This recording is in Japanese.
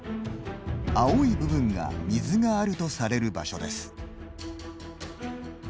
青い部分が水があるとされる場所です。